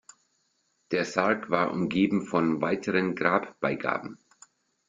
Der Sarg war umgeben von weiteren Grabbeigaben.